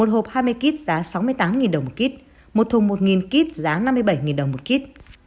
một hộp hai mươi kết giá sáu mươi tám đồng một kết một thùng một kết giá năm mươi bảy đồng một kết